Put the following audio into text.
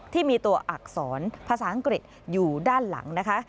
ที่มีตัวอักษรภาษาอังกฤษอยู่ด้านหลังนะคะ